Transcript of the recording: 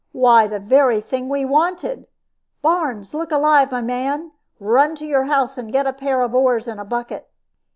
Why, the very thing we wanted! Barnes, look alive, my man. Run to your house, and get a pair of oars and a bucket."